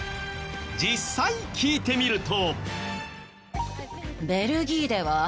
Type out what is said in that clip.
実際聞いてみると。